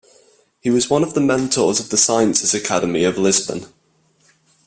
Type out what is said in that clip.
He was one of the mentors of the Sciences Academy of Lisbon.